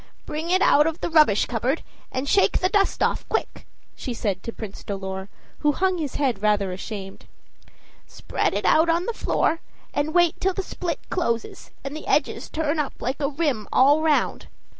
"Bring it out of the rubbish cupboard, and shake the dust off it, quick!" said she to Prince Dolor, who hung his head, rather ashamed. "Spread it out on the floor, and wait till the split closes and the edges turn up like a rim all round.